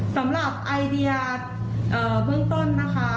สำหรับไอเดียเบื้องต้นนะคะ